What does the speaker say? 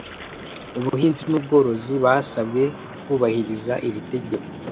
ubuhinzi n ubworozi basabwe kubahiriza iritegeko